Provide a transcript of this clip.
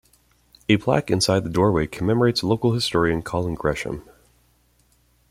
A plaque inside the doorway commemorates local historian Colin Gresham.